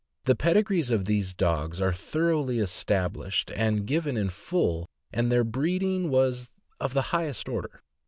The pedigrees of these dogs are thoroughly estab lished and given in full, and their breeding was of the highest order.